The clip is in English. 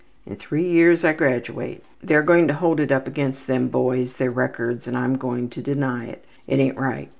In three years I graduate. They are going to hold it up against them boys, their records, and I am going to deny it. It ain't right.